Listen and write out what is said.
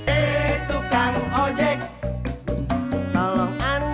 eh bang ojek ada perlu apa